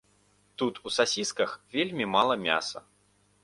Тут у сасісках вельмі мала мяса.